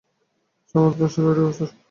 চমৎকার ষোলটি বছর।